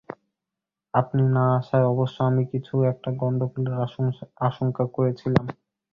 আপনি না আসায় অবশ্য আমি কিছু একটা গন্ডগোলের আশঙ্কা করেছিলাম।